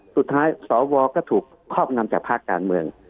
สวก็ถูกครอบงำจากภาคการเมือง